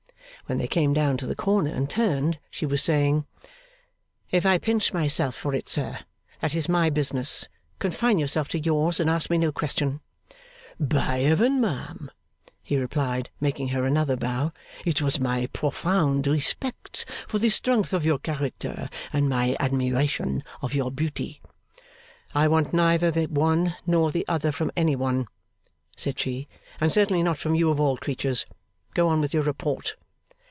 When they came down to the corner and turned, she was saying, 'If I pinch myself for it, sir, that is my business. Confine yourself to yours, and ask me no question.' 'By Heaven, ma'am!' he replied, making her another bow. 'It was my profound respect for the strength of your character, and my admiration of your beauty.' 'I want neither the one nor the other from any one,' said she, 'and certainly not from you of all creatures. Go on with your report.